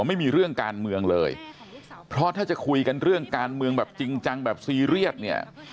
ไม่มีเรื่องการเมืองเลยเพราะถ้าจะคุยกันเรื่องการเมืองแบบจริงจังแบบซีเรียสเนี่ย